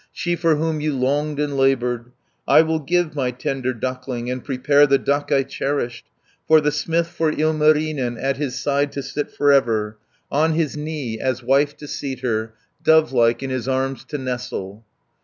She for whom you longed and laboured. I will give my tender duckling, And prepare the duck I cherished, 350 For the smith, for Ilmarinen, At his side to sit for ever, On his knee as wife to seat her, Dove like in his arms to nestle."